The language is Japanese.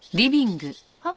はっ？